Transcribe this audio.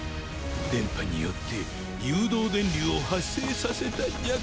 電波によって誘導電流を発生させたんじゃ。